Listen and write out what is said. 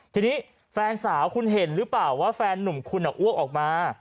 ทีนี้แฟนสาวคุณเห็นหรือเปล่าว่าแฟนหนุ่มคุณอ้วกออกมา